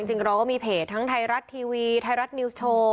จริงเราก็มีเพจทั้งไทยรัฐทีวีไทยรัฐนิวส์โชว์